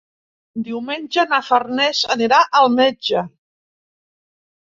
Diumenge na Farners anirà al metge.